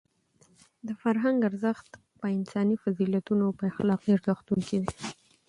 د فرهنګ ارزښت په انساني فضیلتونو او په اخلاقي ارزښتونو کې دی.